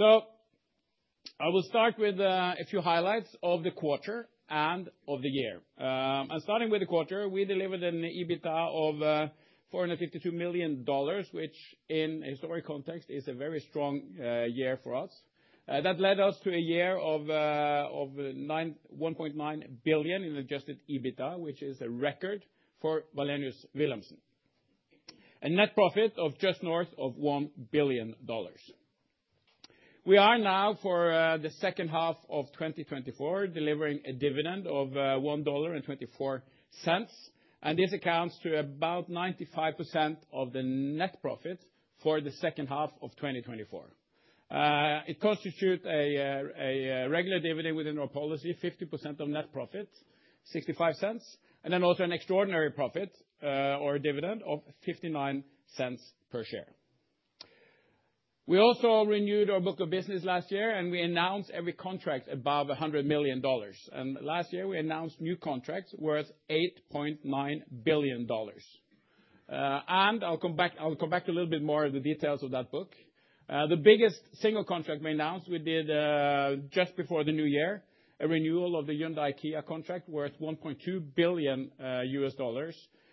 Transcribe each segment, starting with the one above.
I will start with a few highlights of the quarter and of the year. Starting with the quarter, we delivered an EBITDA of $452 million, which in historic context is a very strong year for us. That led us to a year of $1.9 billion in adjusted EBITDA, which is a record for Wallenius Wilhelmsen. A net profit of just north of $1 billion. We are now, for the second half of 2024, delivering a dividend of $1.24, and this amounts to about 95% of the net profit for the second half of 2024. It constitutes a regular dividend within our policy, 50% of net profit, $0.65, and then also an extraordinary profit or dividend of $0.59 per share. We also renewed our book of business last year, and we announced every contract above $100 million. Last year, we announced new contracts worth $8.9 billion. I'll come back to a little bit more of the details of that book. The biggest single contract we announced, we did just before the new year, a renewal of the Hyundai-Kia contract worth $1.2 billion,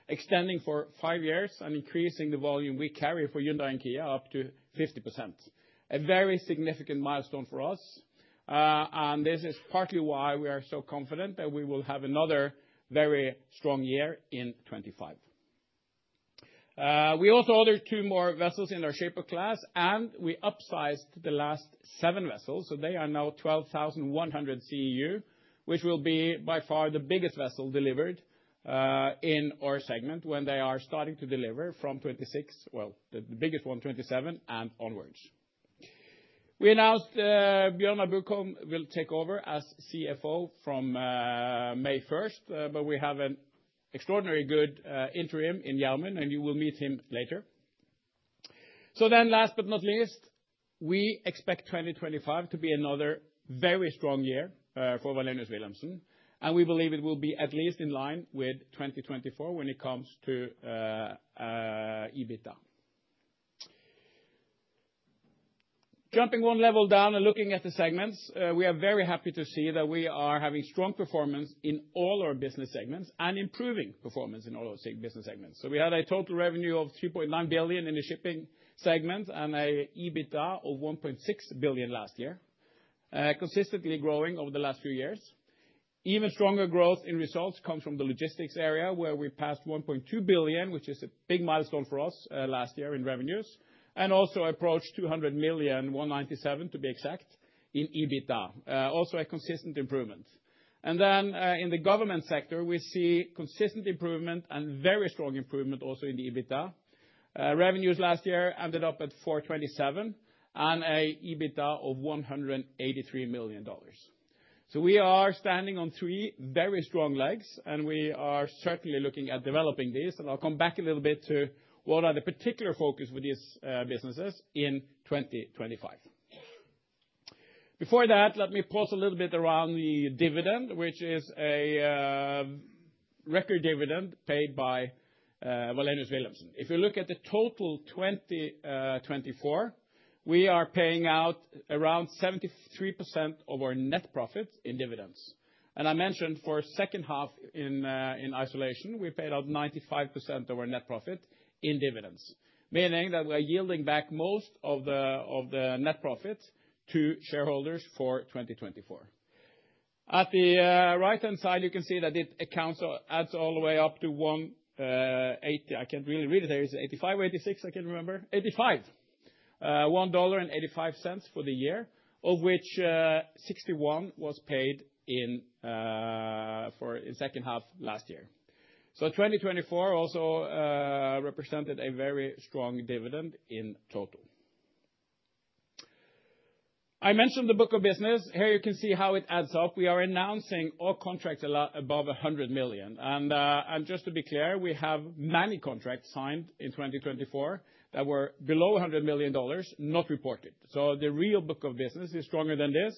extending for five years and increasing the volume we carry for Hyundai-Kia up to 50%. A very significant milestone for us. This is partly why we are so confident that we will have another very strong year in 2025. We also ordered two more vessels in our Shaper Class, and we upsized the last seven vessels. They are now 12,100 CEU, which will be by far the biggest vessel delivered in our segment when they are starting to deliver from 2026, well, the biggest one, 2027, and onwards. We announced Bjørnar Bukholm will take over as CFO from May 1st, but we have an extraordinary good interim in Jermund, and you will meet him later. So then, last but not least, we expect 2025 to be another very strong year for Wallenius Wilhelmsen, and we believe it will be at least in line with 2024 when it comes to EBITDA. Jumping one level down and looking at the segments, we are very happy to see that we are having strong performance in all our business segments and improving performance in all our business segments. So we had a total revenue of $3.9 billion in the shipping segment and an EBITDA of $1.6 billion last year, consistently growing over the last few years. Even stronger growth in results comes from the logistics area, where we passed $1.2 billion, which is a big milestone for us last year in revenues, and also approached $200 million, $197 to be exact, in EBITDA. Also, a consistent improvement. And then in the government sector, we see consistent improvement and very strong improvement also in the EBITDA. Revenues last year ended up at $427 and an EBITDA of $183 million. So we are standing on three very strong legs, and we are certainly looking at developing these. And I'll come back a little bit to what are the particular focus for these businesses in 2025. Before that, let me pause a little bit around the dividend, which is a record dividend paid by Wallenius Wilhelmsen. If you look at the total 2024, we are paying out around 73% of our net profit in dividends. I mentioned for the second half in isolation, we paid out 95% of our net profit in dividends, meaning that we are yielding back most of the net profit to shareholders for 2024. At the right-hand side, you can see that it all adds all the way up to $1.80. I can't really read it. There is $0.85 or $0.86, I can't remember. $0.85. $1.85 for the year, of which $0.61 was paid in the second half last year. So 2024 also represented a very strong dividend in total. I mentioned the book of business. Here you can see how it adds up. We are announcing all contracts above $100 million. And just to be clear, we have many contracts signed in 2024 that were below $100 million, not reported. So the real book of business is stronger than this,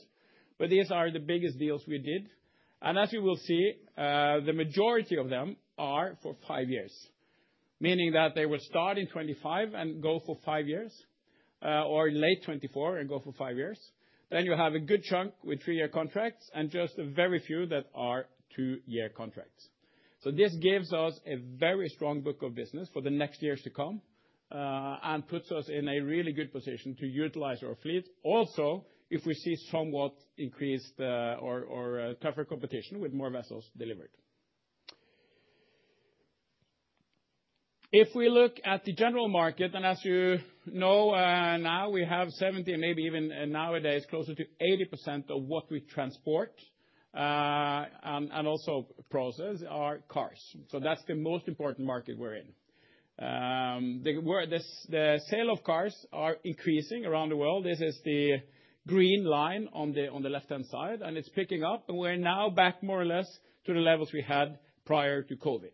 but these are the biggest deals we did. As you will see, the majority of them are for five years, meaning that they will start in 2025 and go for five years, or late 2024 and go for five years. Then you have a good chunk with three-year contracts and just a very few that are two-year contracts. So this gives us a very strong book of business for the next years to come and puts us in a really good position to utilize our fleet, also if we see somewhat increased or tougher competition with more vessels delivered. If we look at the general market, and as you know now, we have 70%, maybe even nowadays, closer to 80% of what we transport and also process are cars. So that's the most important market we're in. The sale of cars are increasing around the world. This is the green line on the left-hand side, and it's picking up. We're now back more or less to the levels we had prior to COVID.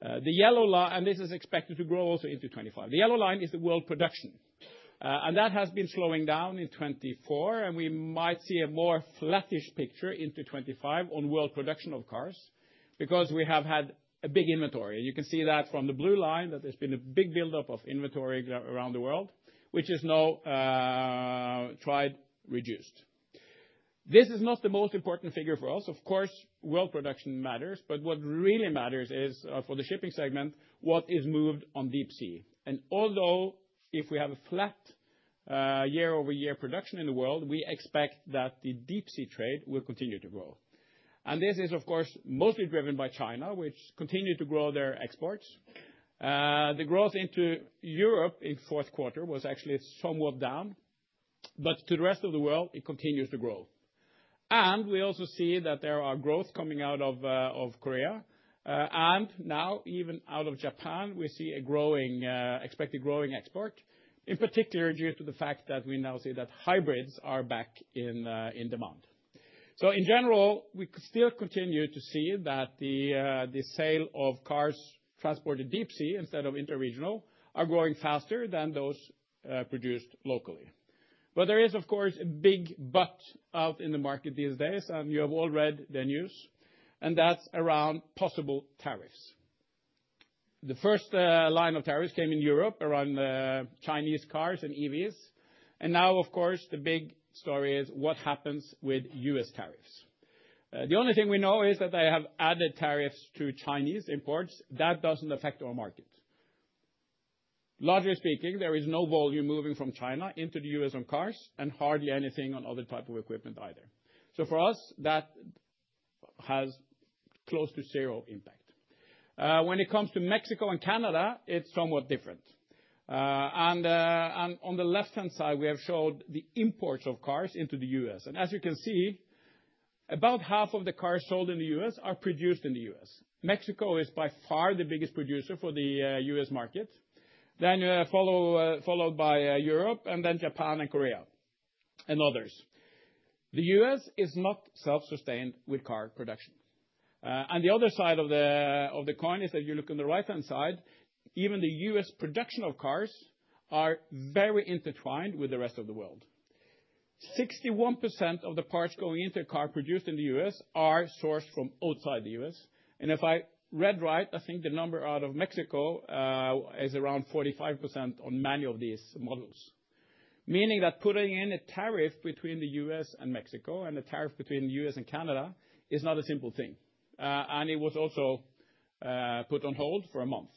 The yellow line, and this is expected to grow also into 2025. The yellow line is the world production. That has been slowing down in 2024, and we might see a more flattish picture into 2025 on world production of cars because we have had a big inventory. You can see that from the blue line that there's been a big buildup of inventory around the world, which is now being reduced. This is not the most important figure for us. Of course, world production matters, but what really matters is for the shipping segment, what is moved on deep sea. And although if we have a flat year-over-year production in the world, we expect that the deep sea trade will continue to grow. And this is, of course, mostly driven by China, which continued to grow their exports. The growth into Europe in fourth quarter was actually somewhat down, but to the rest of the world, it continues to grow. And we also see that there are growth coming out of Korea. And now, even out of Japan, we see a growing expected growing export, in particular due to the fact that we now see that hybrids are back in demand. So in general, we still continue to see that the sale of cars transported deep sea instead of interregional are growing faster than those produced locally. But there is, of course, a big but out in the market these days, and you have all read the news, and that's around possible tariffs. The first line of tariffs came in Europe around Chinese cars and EVs. And now, of course, the big story is what happens with U.S. tariffs. The only thing we know is that they have added tariffs to Chinese imports. That doesn't affect our market. Largely speaking, there is no volume moving from China into the U.S. on cars and hardly anything on other types of equipment either. So for us, that has close to zero impact. When it comes to Mexico and Canada, it's somewhat different. And on the left-hand side, we have showed the imports of cars into the U.S. And as you can see, about half of the cars sold in the U.S. are produced in the U.S. Mexico is by far the biggest producer for the U.S. market, then followed by Europe, and then Japan and Korea and others. The U.S. is not self-sustained with car production, and the other side of the coin is that you look on the right-hand side, even the U.S. production of cars are very intertwined with the rest of the world. 61% of the parts going into a car produced in the U.S. are sourced from outside the U.S., and if I read right, I think the number out of Mexico is around 45% on many of these models, meaning that putting in a tariff between the U.S. and Mexico and a tariff between the U.S. and Canada is not a simple thing, and it was also put on hold for a month,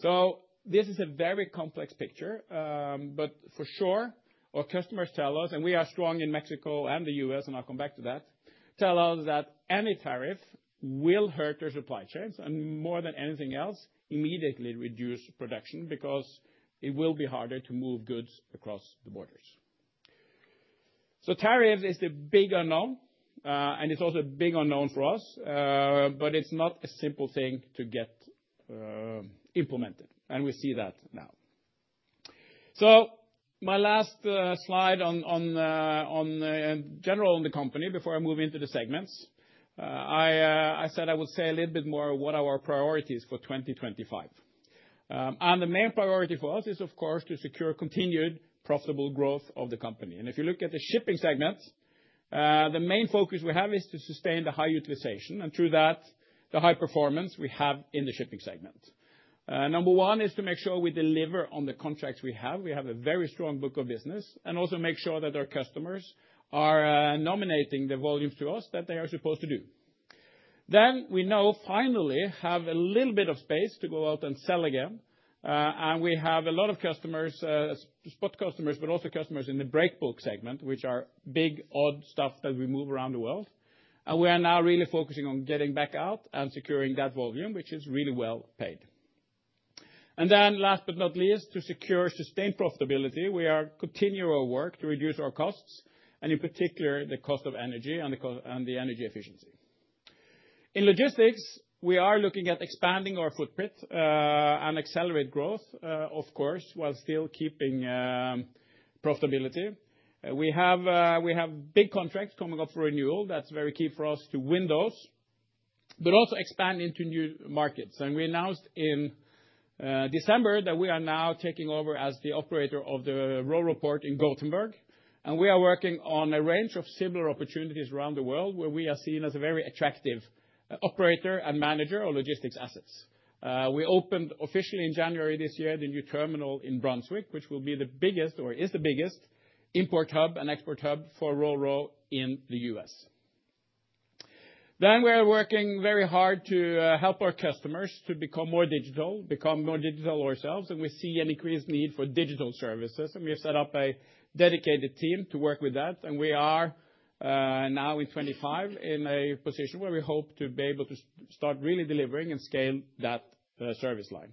so this is a very complex picture. But for sure, our customers tell us, and we are strong in Mexico and the U.S., and I'll come back to that, tell us that any tariff will hurt their supply chains and more than anything else, immediately reduce production because it will be harder to move goods across the borders. So tariff is the big unknown, and it's also a big unknown for us, but it's not a simple thing to get implemented. And we see that now. So my last slide on general on the company before I move into the segments, I said I would say a little bit more of what our priorities for 2025. And the main priority for us is, of course, to secure continued profitable growth of the company. If you look at the shipping segment, the main focus we have is to sustain the high utilization and through that, the high performance we have in the shipping segment. Number one is to make sure we deliver on the contracts we have. We have a very strong book of business and also make sure that our customers are nominating the volumes to us that they are supposed to do. Then we now finally have a little bit of space to go out and sell again. And we have a lot of customers, spot customers, but also customers in the breakbulk segment, which are big odd stuff that we move around the world. And we are now really focusing on getting back out and securing that volume, which is really well paid. And then last but not least, to secure sustained profitability, we are continuing our work to reduce our costs, and in particular, the cost of energy and the energy efficiency. In logistics, we are looking at expanding our footprint and accelerate growth, of course, while still keeping profitability. We have big contracts coming up for renewal. That's very key for us to win those, but also expand into new markets. And we announced in December that we are now taking over as the operator of the RoRo port in Gothenburg. And we are working on a range of similar opportunities around the world where we are seen as a very attractive operator and manager of logistics assets. We opened officially in January this year the new terminal in Brunswick, which will be the biggest or is the biggest import hub and export hub for RoRo in the U.S. We are working very hard to help our customers to become more digital, become more digital ourselves. And we see an increased need for digital services. And we have set up a dedicated team to work with that. And we are now in 2025 in a position where we hope to be able to start really delivering and scale that service line.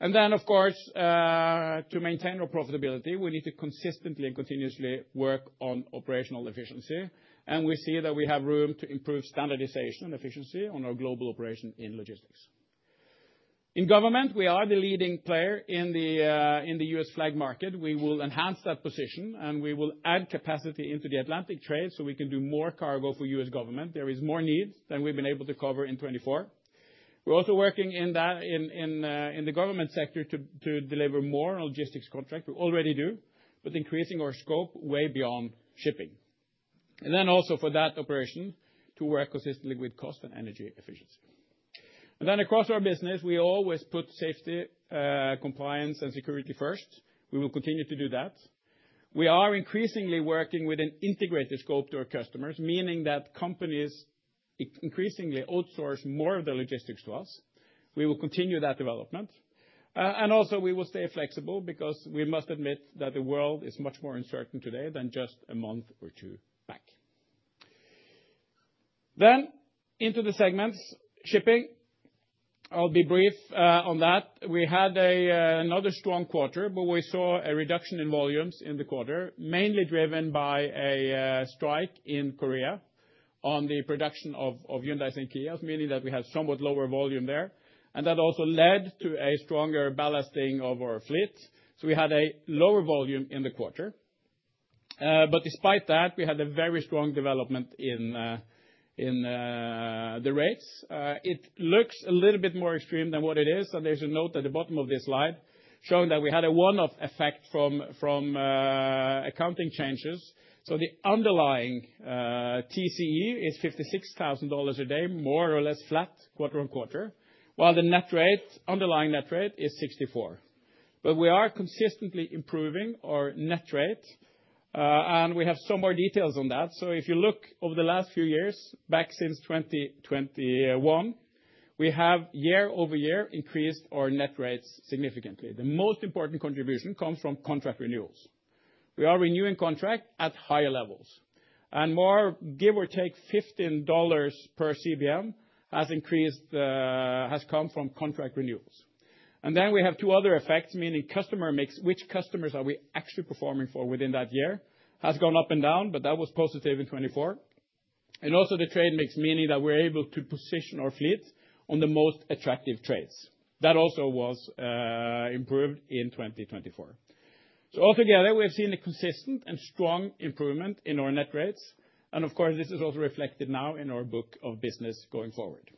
And then, of course, to maintain our profitability, we need to consistently and continuously work on operational efficiency. And we see that we have room to improve standardization and efficiency on our global operation in logistics. In government, we are the leading player in the U.S. flag market. We will enhance that position, and we will add capacity into the Atlantic trade so we can do more cargo for U.S. government. There is more need than we've been able to cover in 2024. We're also working in the government sector to deliver more on logistics contracts. We already do, but increasing our scope way beyond shipping, and then also for that operation to work consistently with cost and energy efficiency, and then across our business, we always put safety, compliance, and security first. We will continue to do that. We are increasingly working with an integrated scope to our customers, meaning that companies increasingly outsource more of the logistics to us. We will continue that development, and also we will stay flexible because we must admit that the world is much more uncertain today than just a month or two back, then into the segments, shipping. I'll be brief on that. We had another strong quarter, but we saw a reduction in volumes in the quarter, mainly driven by a strike in Korea on the production of Hyundais and Kias, meaning that we had somewhat lower volume there. And that also led to a stronger ballasting of our fleet. So we had a lower volume in the quarter. But despite that, we had a very strong development in the rates. It looks a little bit more extreme than what it is. And there's a note at the bottom of this slide showing that we had a one-off effect from accounting changes. So the underlying TCE is $56,000 a day, more or less flat quarter-on-quarter, while the net rate, underlying net rate, is $64. But we are consistently improving our net rate. And we have some more details on that. So if you look over the last few years, back since 2021, we have year-over-year increased our net rates significantly. The most important contribution comes from contract renewals. We are renewing contract at higher levels. And more give or take $15 per CBM has come from contract renewals. And then we have two other effects, meaning customer mix, which customers are we actually performing for within that year, has gone up and down, but that was positive in 2024. And also the trade mix, meaning that we're able to position our fleet on the most attractive trades. That also was improved in 2024. So altogether, we have seen a consistent and strong improvement in our net rates. And of course, this is also reflected now in our book of business going forward.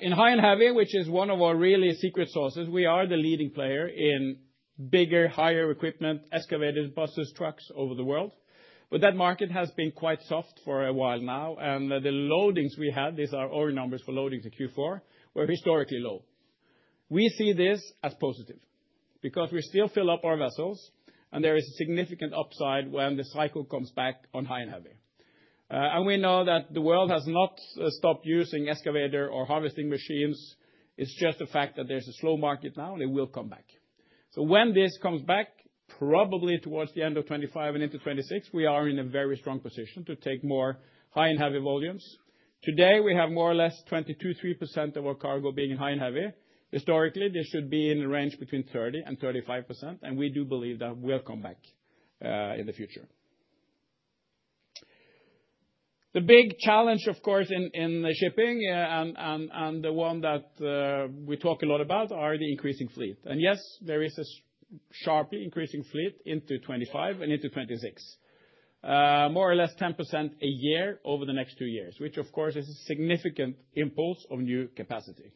In High and Heavy, which is one of our really secret sources, we are the leading player in bigger, higher equipment, excavators, buses, trucks over the world, but that market has been quite soft for a while now, and the loadings we had, these are our numbers for loadings in Q4, were historically low. We see this as positive because we still fill up our vessels, and there is a significant upside when the cycle comes back on High and Heavy, and we know that the world has not stopped using excavator or harvesting machines. It's just the fact that there's a slow market now, and it will come back, so when this comes back, probably towards the end of 2025 and into 2026, we are in a very strong position to take more High and Heavy volumes. Today, we have more or less 22%-23% of our cargo being in High and Heavy. Historically, this should be in the range between 30% and 35%, and we do believe that will come back in the future. The big challenge, of course, in shipping and the one that we talk a lot about are the increasing fleet. And yes, there is a sharp increasing fleet into 2025 and into 2026, more or less 10% a year over the next two years, which, of course, is a significant impulse of new capacity.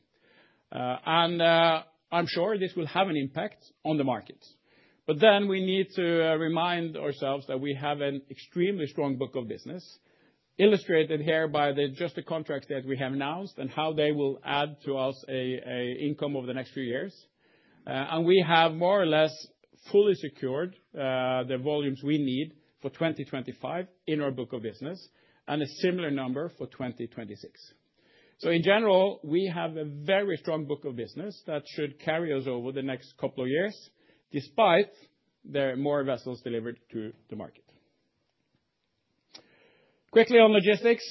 And I'm sure this will have an impact on the markets. But then we need to remind ourselves that we have an extremely strong book of business, illustrated here by just the contracts that we have announced and how they will add to us income over the next few years. We have more or less fully secured the volumes we need for 2025 in our book of business and a similar number for 2026. In general, we have a very strong book of business that should carry us over the next couple of years despite there being more vessels delivered to the market. Quickly on logistics,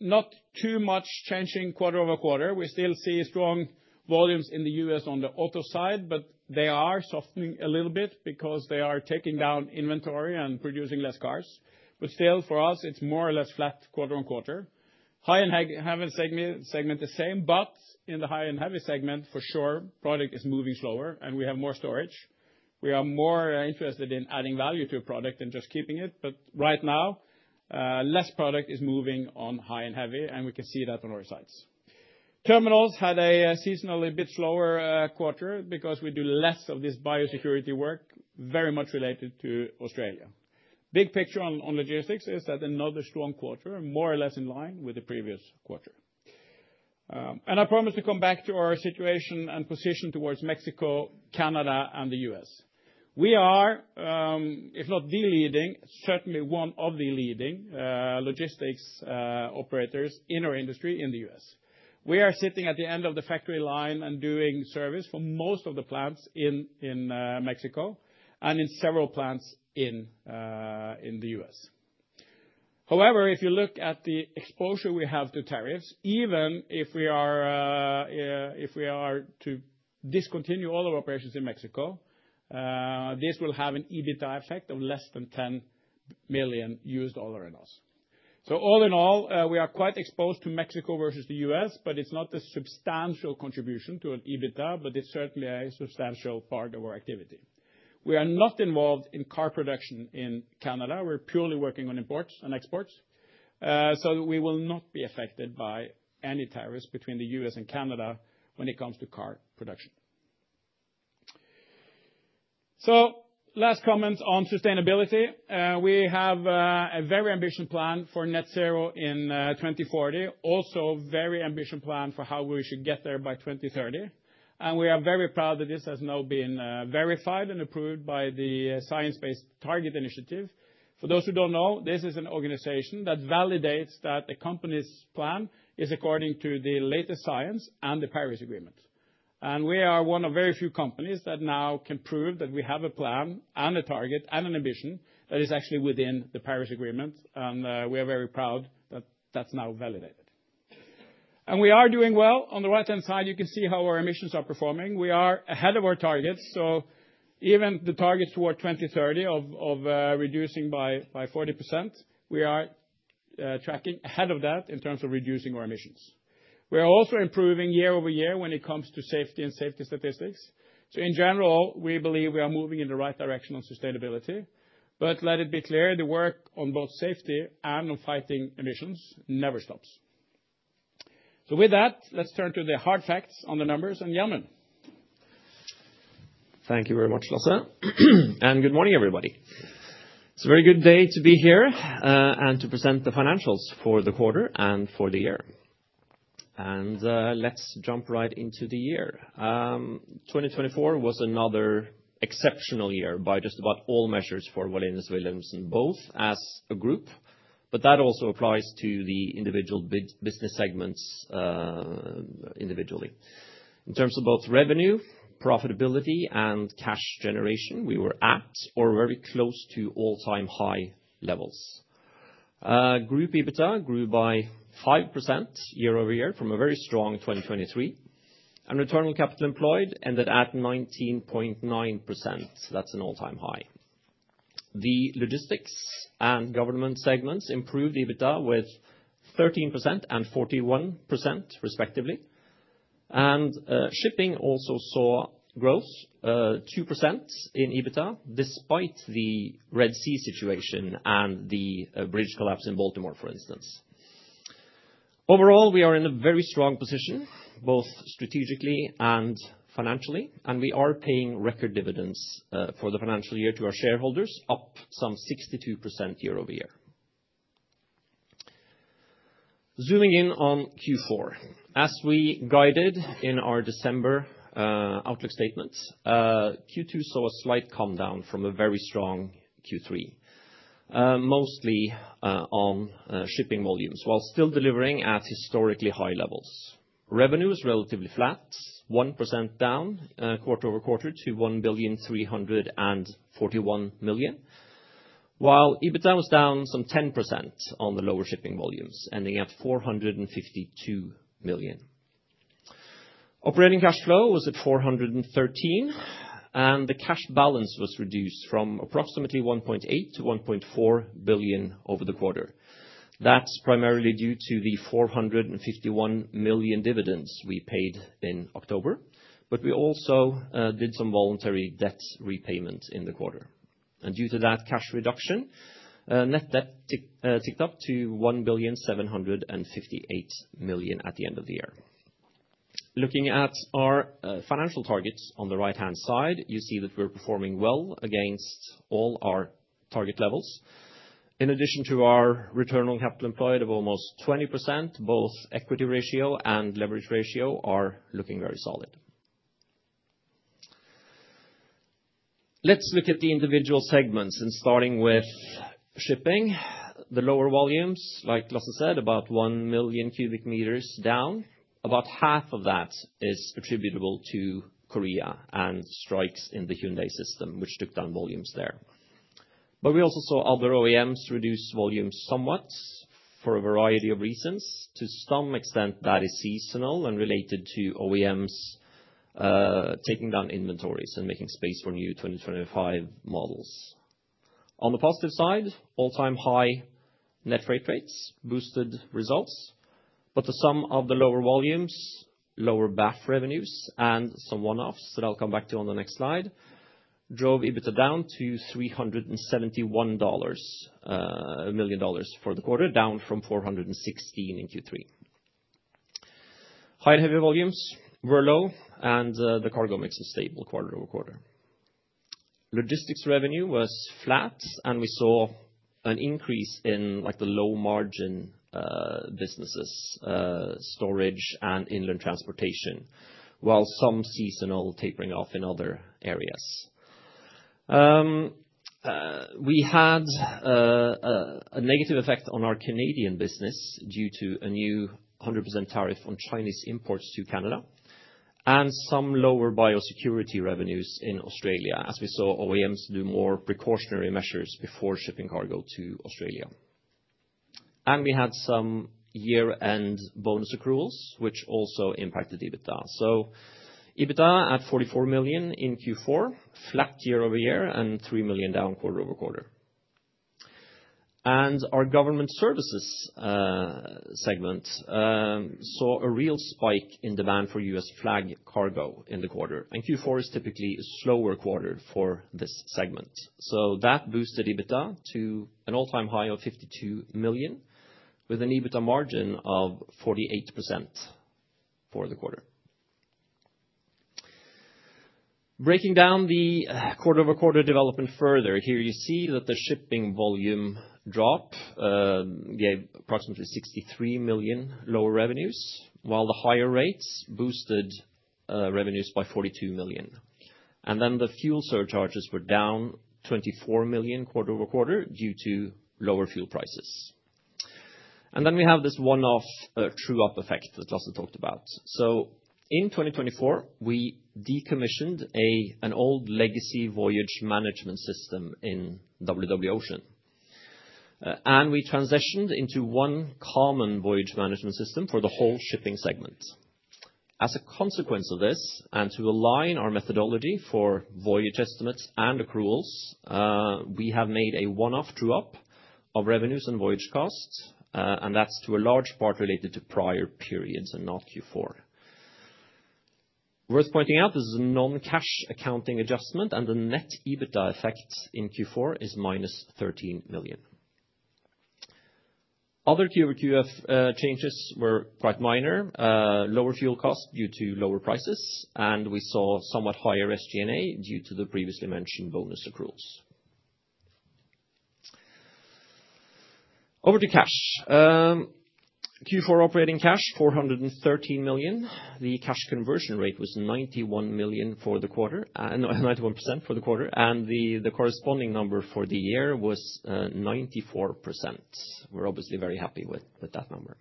not too much changing quarter-over-quarter. We still see strong volumes in the U.S. on the auto side, but they are softening a little bit because they are taking down inventory and producing less cars. Still, for us, it's more or less flat quarter-on-quarter. High and heavy segment, the same, but in the High and Heavy segment, for sure, product is moving slower and we have more storage. We are more interested in adding value to a product than just keeping it. But right now, less product is moving on High and Heavy, and we can see that on our slides. Terminals had seasonally a bit slower quarter because we do less of this biosecurity work, very much related to Australia. Big picture on logistics is that another strong quarter, more or less in line with the previous quarter. And I promised to come back to our situation and position towards Mexico, Canada, and the U.S. We are, if not the leading, certainly one of the leading logistics operators in our industry in the U.S. We are sitting at the end of the factory line and doing service for most of the plants in Mexico and in several plants in the U.S. However, if you look at the exposure we have to tariffs, even if we are to discontinue all our operations in Mexico, this will have an EBITDA effect of less than $10 million in loss. So all in all, we are quite exposed to Mexico versus the US, but it's not a substantial contribution to an EBITDA, but it's certainly a substantial part of our activity. We are not involved in car production in Canada. We're purely working on imports and exports. So we will not be affected by any tariffs between the U.S. and Canada when it comes to car production. So, last comments on sustainability. We have a very ambitious plan for net zero in 2040, also a very ambitious plan for how we should get there by 2030, and we are very proud that this has now been verified and approved by the Science Based Targets initiative. For those who don't know, this is an organization that validates that a company's plan is according to the latest science and the Paris Agreement, and we are one of very few companies that now can prove that we have a plan and a target and an ambition that is actually within the Paris Agreement, and we are very proud that that's now validated, and we are doing well. On the right-hand side, you can see how our emissions are performing. We are ahead of our targets, so even the targets toward 2030 of reducing by 40%, we are tracking ahead of that in terms of reducing our emissions. We are also improving year-over-year when it comes to safety and safety statistics, so in general, we believe we are moving in the right direction on sustainability. But let it be clear, the work on both safety and on fighting emissions never stops. So with that, let's turn to the hard facts on the numbers and Jermund. Thank you very much, Lasse. And good morning, everybody. It's a very good day to be here and to present the financials for the quarter and for the year. And let's jump right into the year. 2024 was another exceptional year by just about all measures for Wallenius Wilhelmsen and both as a group, but that also applies to the individual business segments individually. In terms of both revenue, profitability, and cash generation, we were at or very close to all-time high levels. Group EBITDA grew by 5% year-over-year from a very strong 2023. And return on capital employed ended at 19.9%. That's an all-time high. The logistics and government segments improved EBITDA with 13% and 41%, respectively, and shipping also saw growth, 2% in EBITDA, despite the Red Sea situation and the bridge collapse in Baltimore, for instance. Overall, we are in a very strong position, both strategically and financially, and we are paying record dividends for the financial year to our shareholders, up some 62% year-over-year. Zooming in on Q4, as we guided in our December outlook statements, Q4 saw a slight comedown from a very strong Q3, mostly on shipping volumes, while still delivering at historically high levels. Revenue is relatively flat, 1% down quarter-over-quarter to $1,341,000,000, while EBITDA was down some 10% on the lower shipping volumes, ending at $452 million. Operating cash flow was at $413 million, and the cash balance was reduced from approximately $1.8 billion to $1.4 billion over the quarter. That's primarily due to the $451 million dividends we paid in October, but we also did some voluntary debt repayment in the quarter, and due to that cash reduction, net debt ticked up to $1,758,000,000 at the end of the year. Looking at our financial targets on the right-hand side, you see that we're performing well against all our target levels. In addition to our return on capital employed of almost 20%, both equity ratio and leverage ratio are looking very solid. Let's look at the individual segments and starting with shipping. The lower volumes, like Lasse said, about 1 million cubic meters down. About half of that is attributable to Korea and strikes in the Hyundai system, which took down volumes there. But we also saw other OEMs reduce volumes somewhat for a variety of reasons. To some extent, that is seasonal and related to OEMs taking down inventories and making space for new 2025 models. On the positive side, all-time high net rate rates boosted results, but the sum of the lower volumes, lower BAF revenues, and some one-offs that I'll come back to on the next slide drove EBITDA down to $371 million for the quarter, down from $416 million in Q3. High and Heavy volumes were low, and the cargo mix was stable quarter-over-quarter. Logistics revenue was flat, and we saw an increase in the low-margin businesses, storage, and inland transportation, while some seasonal tapering off in other areas. We had a negative effect on our Canadian business due to a new 100% tariff on Chinese imports to Canada and some lower biosecurity revenues in Australia, as we saw OEMs do more precautionary measures before shipping cargo to Australia. And we had some year-end bonus accruals, which also impacted EBITDA. So EBITDA at $44 million in Q4, flat year-over-year, and $3 million down quarter-over-quarter. And our government services segment saw a real spike in demand for U.S. flag cargo in the quarter. And Q4 is typically a slower quarter for this segment. So that boosted EBITDA to an all-time high of $52 million, with an EBITDA margin of 48% for the quarter. Breaking down the quarter-over-quarter development further, here you see that the shipping volume drop gave approximately $63 million lower revenues, while the higher rates boosted revenues by $42 million. And then the fuel surcharges were down $24 million quarter-over-quarter due to lower fuel prices. And then we have this one-off true-up effect that Lasse talked about. So in 2024, we decommissioned an old legacy voyage management system in WW Ocean, and we transitioned into one common voyage management system for the whole shipping segment. As a consequence of this, and to align our methodology for voyage estimates and accruals, we have made a one-off true-up of revenues and voyage costs, and that's to a large part related to prior-periods and not Q4. Worth pointing out, this is a non-cash accounting adjustment, and the net EBITDA effect in Q4 is -$13 million. Other Q4 changes were quite minor, lower fuel costs due to lower prices, and we saw somewhat higher SG&A due to the previously mentioned bonus accruals. Over to cash. Q4 operating cash, $413 million. The cash conversion rate was 91% for the quarter, and the corresponding number for the year was 94%. We're obviously very happy with that number.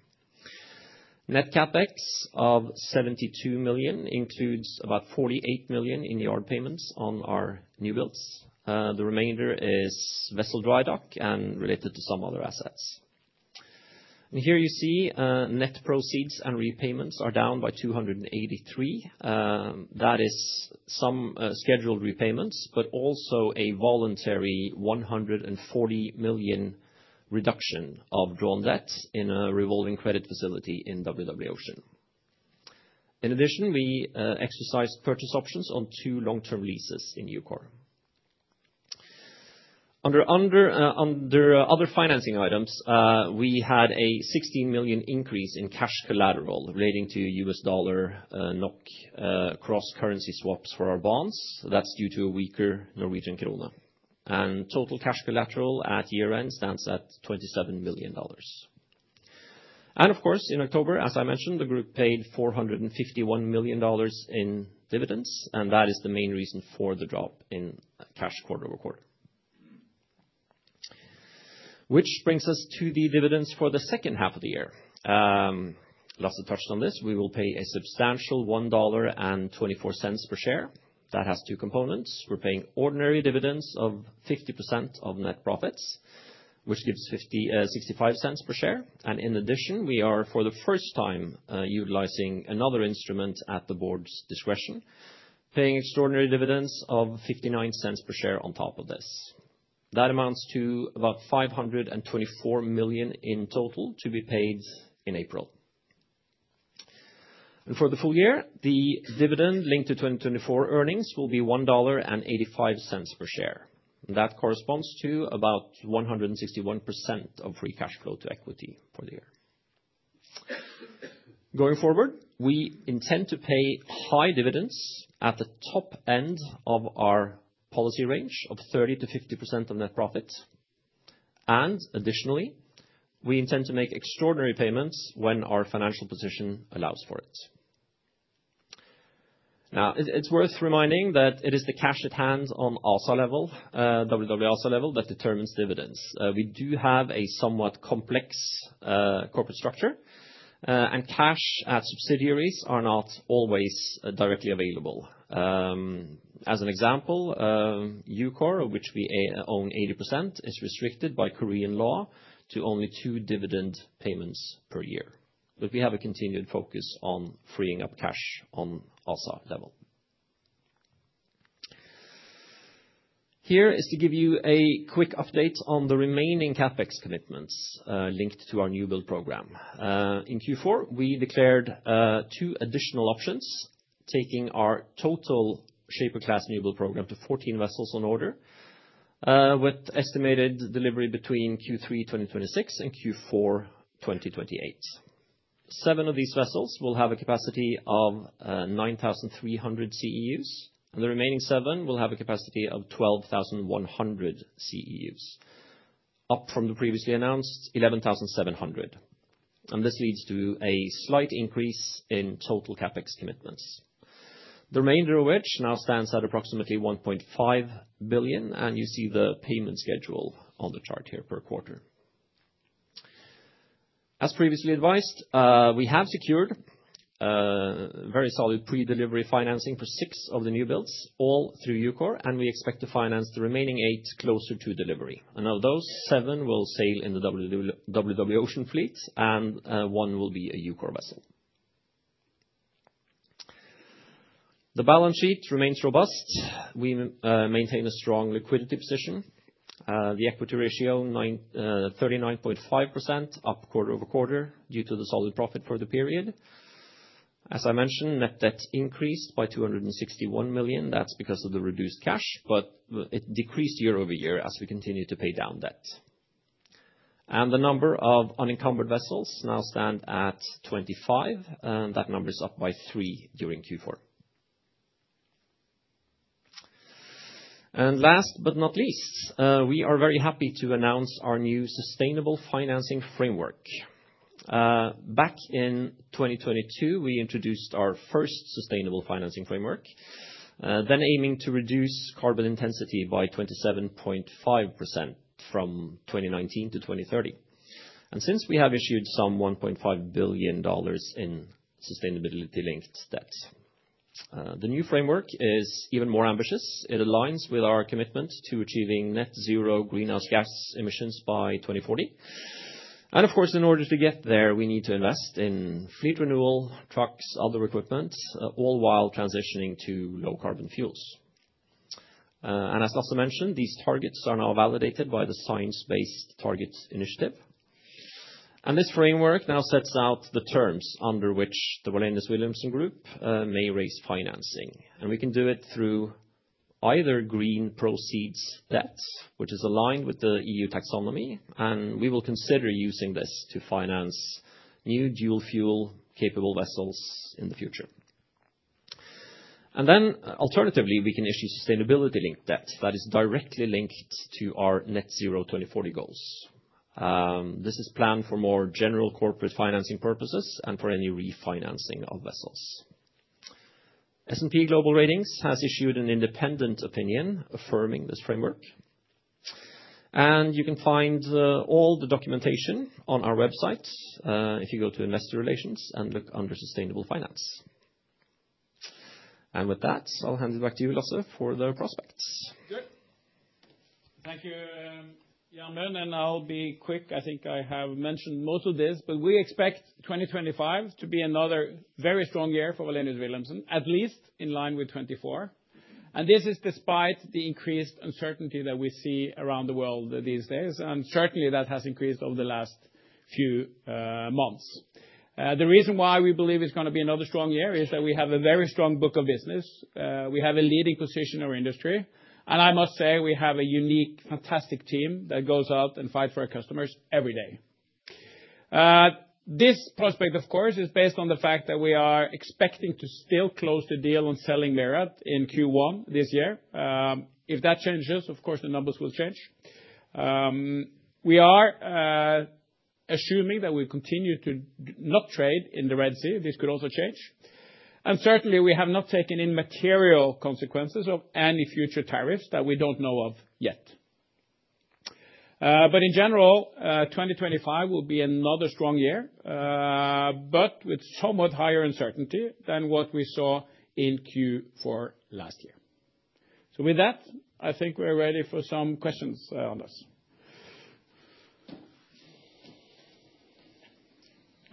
Net CapEx of $72 million includes about $48 million in yard payments on our new builds. The remainder is vessel dry dock and related to some other assets. Here you see net proceeds and repayments are down by $283 million. That is some scheduled repayments, but also a voluntary $140 million reduction of drawn debt in a revolving credit facility in WW Ocean. In addition, we exercised purchase options on two long-term leases in EUKOR. Under other financing items, we had a $16 million increase in cash collateral relating to U.S. dollar NOK cross-currency swaps for our bonds. That's due to a weaker Norwegian krone. Total cash collateral at year-end stands at $27 million. And of course, in October, as I mentioned, the group paid $451 million in dividends, and that is the main reason for the drop in cash quarter-over-quarter. Which brings us to the dividends for the second half of the year. Lasse touched on this. We will pay a substantial $1.24 per share. That has two components. We're paying ordinary dividends of 50% of net profits, which gives $0.65 per share. And in addition, we are, for the first time, utilizing another instrument at the board's discretion, paying extraordinary dividends of $0.59 per share on top of this. That amounts to about $524 million in total to be paid in April. And for the full year, the dividend linked to 2024 earnings will be $1.85 per share. That corresponds to about 161% of free cash flow to equity for the year. Going forward, we intend to pay high dividends at the top end of our policy range of 30%-50% of net profits, and additionally, we intend to make extraordinary payments when our financial position allows for it. Now, it's worth reminding that it is the cash at hand on ASA level that determines dividends. We do have a somewhat complex corporate structure, and cash at subsidiaries are not always directly available. As an example, EUKOR, of which we own 80%, is restricted by Korean law to only two dividend payments per year. But we have a continued focus on freeing up cash on ASA level. Here is to give you a quick update on the remaining CapEx commitments linked to our new build program. In Q4, we declared two additional options, taking our total Shaper Class new build program to 14 vessels on order, with estimated delivery between Q3 2026 and Q4 2028. Seven of these vessels will have a capacity of 9,300 CEUs, and the remaining seven will have a capacity of 12,100 CEUs, up from the previously announced 11,700, and this leads to a slight increase in total CapEx commitments, the remainder of which now stands at approximately $1.5 billion, and you see the payment schedule on the chart here per quarter. As previously advised, we have secured very solid pre-delivery financing for six of the new builds, all through EUKOR, and we expect to finance the remaining eight closer to delivery, and of those, seven will sail in the WW Ocean fleet, and one will be a EUKOR vessel. The balance sheet remains robust. We maintain a strong liquidity position. The equity ratio, 39.5%, up quarter-over-quarter due to the solid profit for the period. As I mentioned, net debt increased by $261 million. That's because of the reduced cash, but it decreased year-over-year as we continue to pay down debt. And the number of unencumbered vessels now stands at 25, and that number is up by three during Q4. And last but not least, we are very happy to announce our new Sustainable financing framework. Back in 2022, we introduced our first Sustainable financing framework, then aiming to reduce carbon intensity by 27.5% from 2019 to 2030. And since we have issued some $1.5 billion in sustainability-linked debt, the new framework is even more ambitious. It aligns with our commitment to achieving net zero greenhouse gas emissions by 2040. Of course, in order to get there, we need to invest in fleet renewal, trucks, other equipment, all while transitioning to low carbon fuels. As Lasse mentioned, these targets are now validated by the Science Based Targets initiative. This framework now sets out the terms under which the Wallenius Wilhelmsen Group may raise financing. We can do it through either green proceeds debt, which is aligned with the EU Taxonomy, and we will consider using this to finance new dual fuel capable vessels in the future. Alternatively, we can issue sustainability-linked debt that is directly linked to our net zero 2040 goals. This is planned for more general corporate financing purposes and for any refinancing of vessels. S&P Global Ratings has issued an independent opinion affirming this framework. You can find all the documentation on our website if you go to investor relations and look under sustainable finance. With that, I'll hand it back to you, Lasse, for the prospects. Good. Thank you, Jermund. I'll be quick. I think I have mentioned most of this, but we expect 2025 to be another very strong year for Wallenius Wilhelmsen, at least in line with 2024. This is despite the increased uncertainty that we see around the world these days. Certainly, that has increased over the last few months. The reason why we believe it's going to be another strong year is that we have a very strong book of business. We have a leading position in our industry. I must say we have a unique, fantastic team that goes out and fights for our customers every day. This prospect, of course, is based on the fact that we are expecting to still close the deal on selling MIRRAT in Q1 this year. If that changes, of course, the numbers will change. We are assuming that we continue to not trade in the Red Sea. This could also change, and certainly we have not taken into account material consequences of any future tariffs that we don't know of yet, but in general, 2025 will be another strong year, but with somewhat higher uncertainty than what we saw in Q4 last year, so with that, I think we're ready for some questions on this,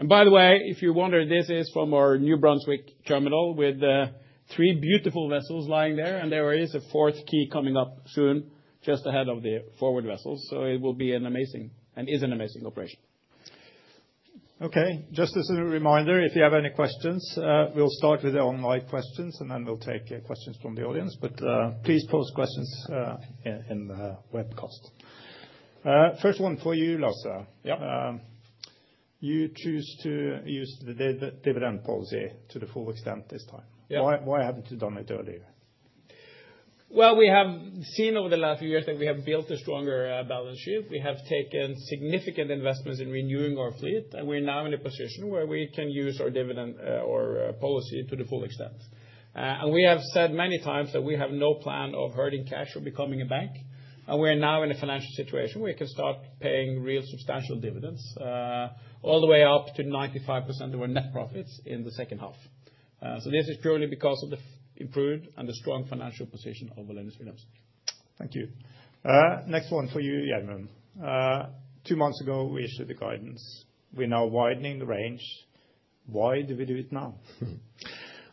and by the way, if you wonder, this is from our new Brunswick terminal with three beautiful vessels lying there, and there is a fourth quay coming up soon, just ahead of the forward vessels, so it will be an amazing, and is an amazing operation. Okay. Just as a reminder, if you have any questions, we'll start with the online questions, and then we'll take questions from the audience. But please post questions in the webcast. First one for you, Lasse. You choose to use the dividend policy to the full extent this time. Why haven't you done it earlier? Well, we have seen over the last few years that we have built a stronger balance sheet. We have taken significant investments in renewing our fleet, and we're now in a position where we can use our dividend policy to the full extent, and we have said many times that we have no plan of hoarding cash or becoming a bank, and we are now in a financial situation where we can start paying real substantial dividends all the way up to 95% of our net profits in the second half. This is purely because of the improved and the strong financial position of Wallenius Wilhelmsen. Thank you. Next one for you, Jermund. Two months ago, we issued the guidance. We're now widening the range. Why did we do it now?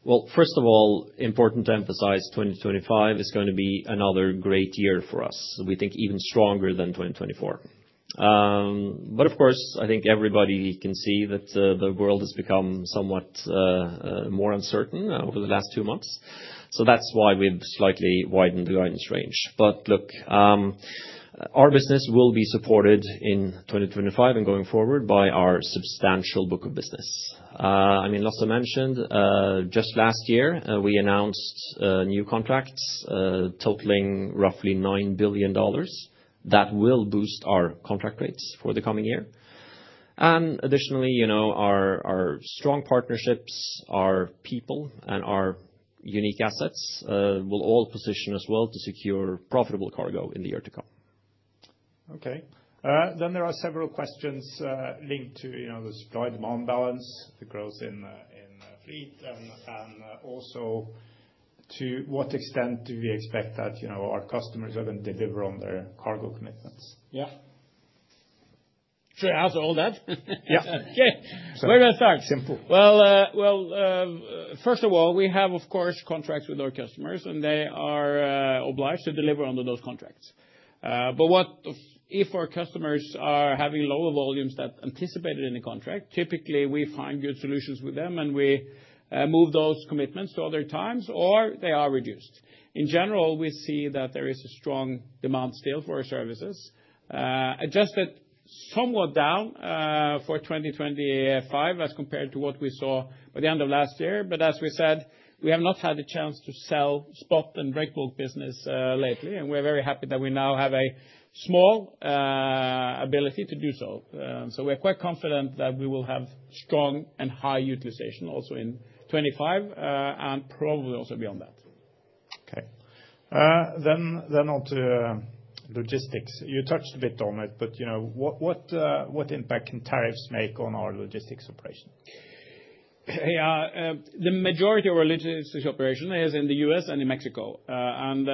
Well, first of all, important to emphasize, 2025 is going to be another great year for us. We think even stronger than 2024. But of course, I think everybody can see that the world has become somewhat more uncertain over the last two months. So that's why we've slightly widened the guidance range. But look, our business will be supported in 2025 and going forward by our substantial book of business. I mean, Lasse mentioned, just last year, we announced new contracts totaling roughly $9 billion that will boost our contract rates for the coming year. Additionally, our strong partnerships, our people, and our unique assets will all position us well to secure profitable cargo in the year to come. Okay. There are several questions linked to the supply-demand balance, the growth in fleet, and also to what extent do we expect that our customers are going to deliver on their cargo commitments? Yeah. Should I answer all that? Yeah. Okay. Where do I start? Simple. First of all, we have, of course, contracts with our customers, and they are obliged to deliver under those contracts. What if our customers are having lower volumes than anticipated in the contract? Typically, we find good solutions with them, and we move those commitments to other times, or they are reduced. In general, we see that there is a strong demand still for our services, adjusted somewhat down for 2025 as compared to what we saw at the end of last year. But as we said, we have not had a chance to sell spot and breakbulk business lately, and we're very happy that we now have a small ability to do so. So we're quite confident that we will have strong and high utilization also in 2025 and probably also beyond that. Okay. Then on to logistics. You touched a bit on it, but what impact can tariffs make on our logistics operation? Yeah. The majority of our logistics operation is in the U.S. and in Mexico, and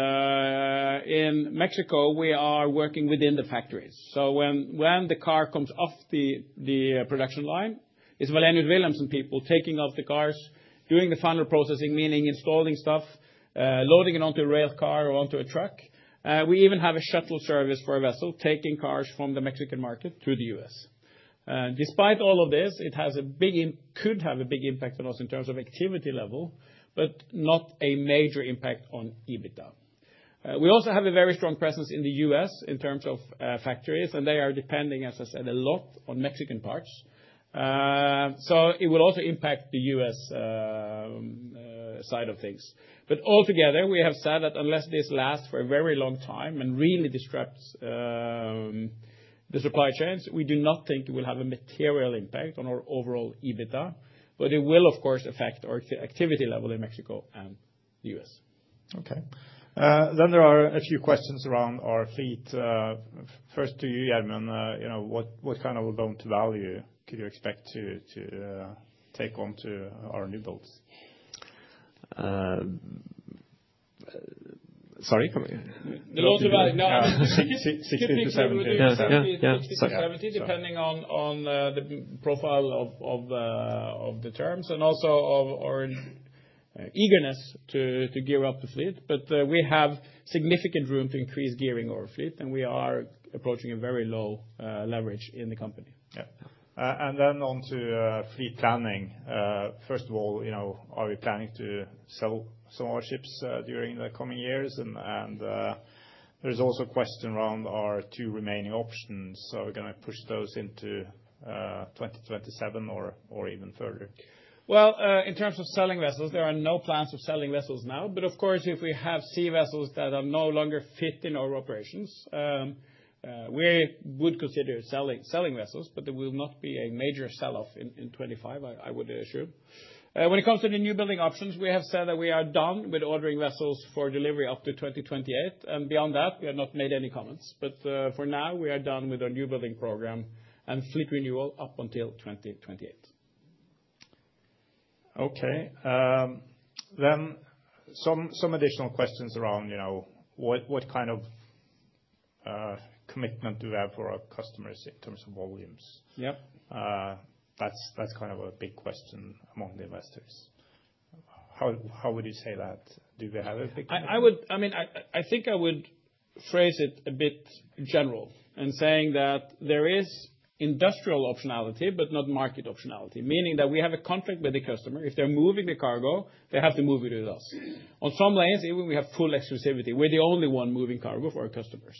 in Mexico, we are working within the factories. So when the car comes off the production line, it's Wallenius Wilhelmsen people taking off the cars, doing the final processing, meaning installing stuff, loading it onto a rail car or onto a truck. We even have a shuttle service for a vessel taking cars from the Mexican market to the U.S. Despite all of this, it could have a big impact on us in terms of activity level, but not a major impact on EBITDA. We also have a very strong presence in the U.S. in terms of factories, and they are depending, as I said, a lot on Mexican parts. So it will also impact the U.S. side of things. But altogether, we have said that unless this lasts for a very long time and really disrupts the supply chains, we do not think it will have a material impact on our overall EBITDA. But it will, of course, affect our activity level in Mexico and the U.S. Okay. Then there are a few questions around our fleet. First to you, Jermund, what kind of loan to value could you expect to take on to our new builds? Sorry? The loan to value, no. 60%-70%. 60%-70%, depending on the profile of the terms and also of our eagerness to gear up the fleet. But we have significant room to increase gearing our fleet, and we are approaching a very low leverage in the company. Yeah. And then on to fleet planning. First of all, are we planning to sell some of our ships during the coming years? And there's also a question around our two remaining options. Are we going to push those into 2027 or even further? In terms of selling vessels, there are no plans of selling vessels now. Of course, if we have sea vessels that are no longer fit in our operations, we would consider selling vessels, but there will not be a major sell-off in 2025, I would assume. When it comes to the new building options, we have said that we are done with ordering vessels for delivery up to 2028. Beyond that, we have not made any comments. For now, we are done with our new building program and fleet renewal up until 2028. Okay. Some additional questions around what kind of commitment do we have for our customers in terms of volumes? Yep. That's kind of a big question among the investors. How would you say that? Do we have a big question? I mean, I think I would phrase it a bit general in saying that there is industrial optionality, but not market optionality, meaning that we have a contract with the customer. If they're moving the cargo, they have to move it with us. On some lanes, even we have full exclusivity. We're the only one moving cargo for our customers.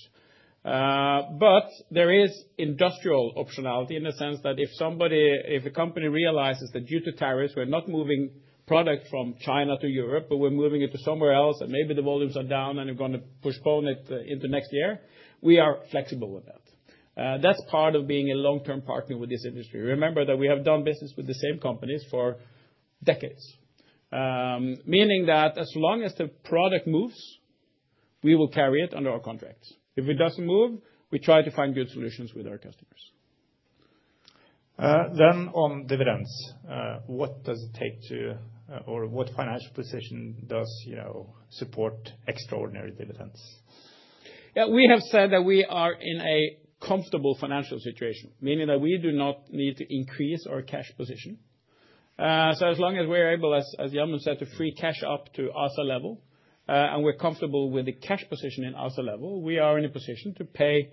But there is industrial optionality in the sense that if a company realizes that due to tariffs, we're not moving product from China to Europe, but we're moving it to somewhere else, and maybe the volumes are down and we're going to postpone it into next year, we are flexible with that. That's part of being a long-term partner with this industry. Remember that we have done business with the same companies for decades, meaning that as long as the product moves, we will carry it under our contracts. If it doesn't move, we try to find good solutions with our customers. Then on dividends, what does it take to, or what financial position does support extraordinary dividends? Yeah. We have said that we are in a comfortable financial situation, meaning that we do not need to increase our cash position. So as long as we're able, as Jermund said, to free cash up to ASA level, and we're comfortable with the cash position in ASA level, we are in a position to pay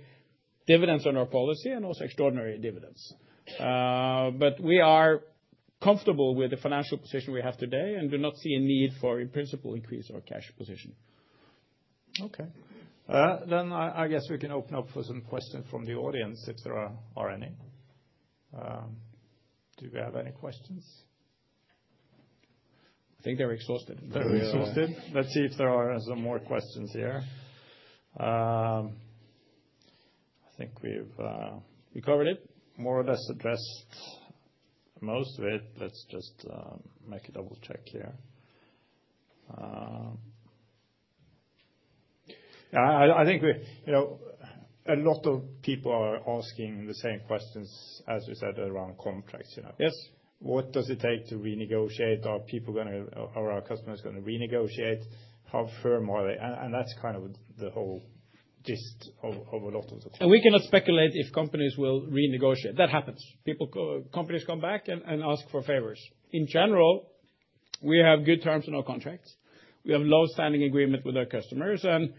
dividends on our policy and also extraordinary dividends. But we are comfortable with the financial position we have today and do not see a need for a principal increase in our cash position. Okay. Then I guess we can open up for some questions from the audience if there are any. Do we have any questions? I think they're exhausted. They're exhausted. Let's see if there are some more questions here. I think we've covered it, more or less addressed most of it. Let's just make a double check here. Yeah. I think a lot of people are asking the same questions, as we said, around contracts. What does it take to renegotiate? Are people going to, or are customers going to renegotiate? How firm are they? And that's kind of the whole gist of a lot of the questions. And we cannot speculate if companies will renegotiate. That happens. Companies come back and ask for favors. In general, we have good terms in our contracts. We have a long-standing agreement with our customers, and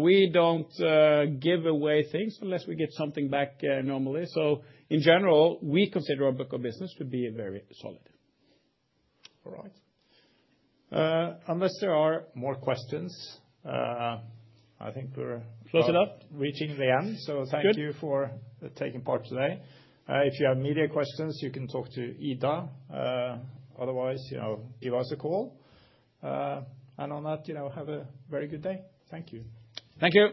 we don't give away things unless we get something back normally. So in general, we consider our book of business to be very solid. All right. Unless there are more questions, I think we're close enough reaching the end. So thank you for taking part today. If you have media questions, you can talk to Ida. Otherwise, give us a call and on that, have a very good day. Thank you. Thank you.